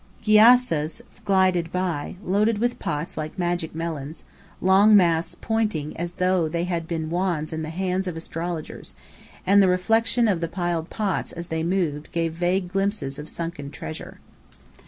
Gyassas glided by, loaded with pots like magic melons, long masts pointing as though they had been wands in the hands of astrologers: and the reflection of the piled pots as they moved gave vague glimpses as of sunken treasure.